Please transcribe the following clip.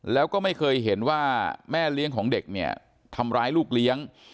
แล้วก็ไม่เคยเห็นว่าแม่เลี้ยงของเด็กเนี่ยทำร้ายลูกเลี้ยง